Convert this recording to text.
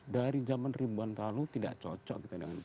dari zaman ribuan lalu tidak cocok kita dengan itu